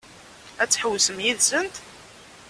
Ad tḥewwsem yid-sent?